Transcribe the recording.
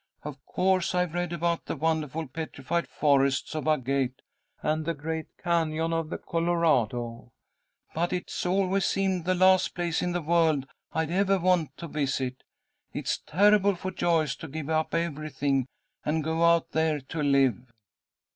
"Of course, I've read about the wonderful petrified forests of agate, and the great cañon of the Colorado, but it's always seemed the last place in the world I'd ever want to visit. It's terrible for Joyce to give up everything and go out there to live."